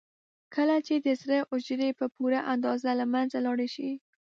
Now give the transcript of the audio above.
کله چې د زړه حجرې په پوره اندازه له منځه لاړې شي.